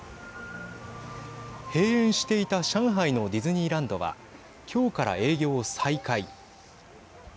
閉園していた上海のディズニーランドは今日から営業を再開。